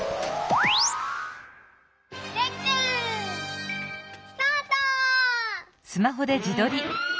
レックスタート！